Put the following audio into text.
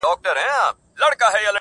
اوس یې زیارت ته په سېلونو توتکۍ نه راځي؛